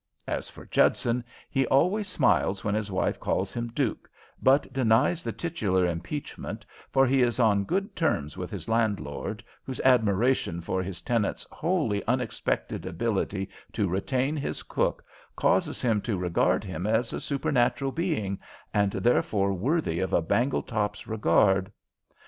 As for Judson, he always smiles when his wife calls him Duke, but denies the titular impeachment, for he is on good terms with his landlord, whose admiration for his tenant's wholly unexpected ability to retain his cook causes him to regard him as a supernatural being, and therefore worthy of a Bangletop's regard.